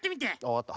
わかった。